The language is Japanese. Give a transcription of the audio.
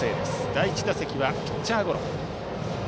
第１打席はピッチャーゴロ。